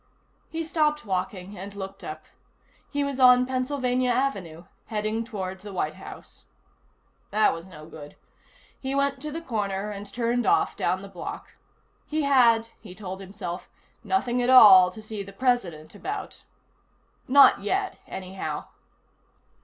He stopped walking and looked up. He was on Pennsylvania Avenue, heading toward the White House. That was no good. He went to the corner and turned off, down the block. He had, he told himself, nothing at all to see the President about. Not yet, anyhow.